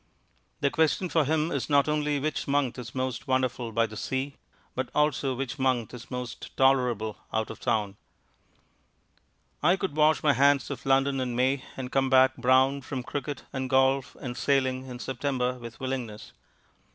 The question for him is not only which month is most wonderful by the sea, but also which month is most tolerable out of town. I would wash my hands of London in May and come back brown from cricket and golf and sailing in September with willingness.